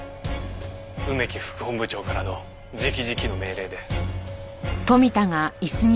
梅木副本部長からの直々の命令で。